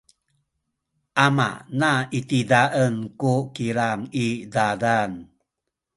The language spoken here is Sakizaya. amana itizaen ku kilang i zazan.